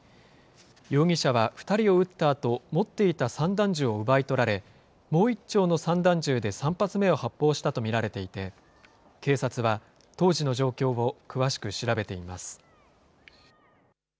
容疑者は２人を撃ったあと、持っていた散弾銃を奪い取られ、もう１丁の散弾銃で３発目を発砲したと見られていて、警察は当時の状況を詳しく調べています。